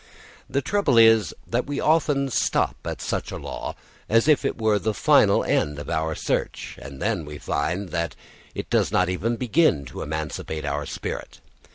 The trouble is that we very often stop at such a law as if it were the final end of our search, and then we find that it does not even begin to emancipate our spirit.